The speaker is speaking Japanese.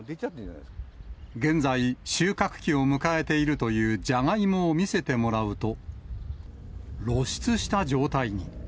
現在、収穫期を迎えているという、じゃがいもを見せてもらうと、露出した状態に。